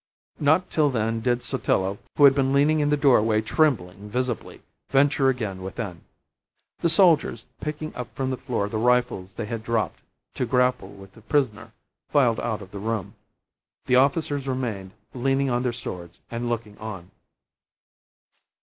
Not till then did Sotillo, who had been leaning in the doorway trembling visibly, venture again within. The soldiers, picking up from the floor the rifles they had dropped to grapple with the prisoner, filed out of the room. The officers remained leaning on their swords and looking on.